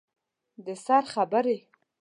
د سر خبرې